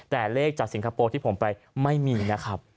แต่เลขจากสิงคโปร์ที่ผมไปไม่มีนะครับ